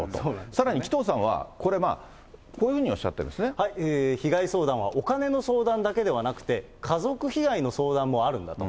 さらに紀藤さんは、こういうふう被害相談はお金の相談だけではなくて、家族被害の相談もあるんだと。